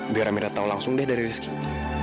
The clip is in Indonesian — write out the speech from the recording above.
biar amira tau langsung deh dari rizky